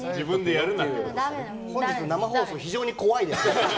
本日、生放送が非常に怖いです。